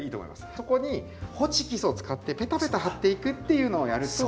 そこにホチキスを使ってペタペタはっていくっていうのをやると。